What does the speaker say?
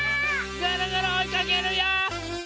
ぐるぐるおいかけるよ！